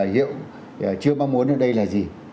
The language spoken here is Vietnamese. hiệu chưa mong muốn ở đây là gì